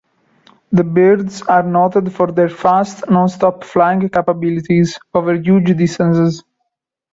The birds are noted for their fast, non-stop flying capabilities over huge distances.